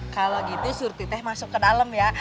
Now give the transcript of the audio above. kalau gitu surti teh masuk ke dalam ya